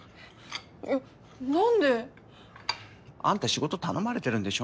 えっ何で？あんた仕事頼まれてるんでしょ？